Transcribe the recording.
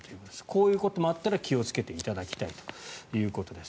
こういうこともあったら気をつけていただきたいということです。